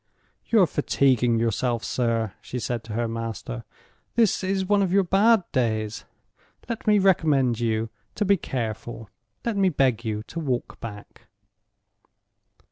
"You are fatiguing yourself, sir," she said to her master. "This is one of your bad days. Let me recommend you to be careful; let me beg you to walk back."